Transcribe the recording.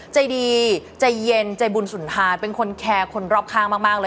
ใจดีใจเย็นใจบุญสุนทานเป็นคนแคร์คนรอบข้างมากเลย